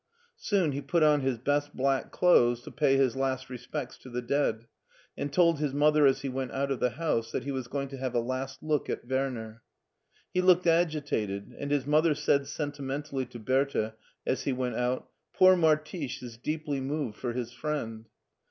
Soon he put on his best black clothes to pay his last respects to the dead, and told his mother as he went out of the house that he was going to have a last look at Werner. He looked agitated, and his mother said sentimentally to Bertha, as he went out, "Poor Martische is deeply moved for his friend."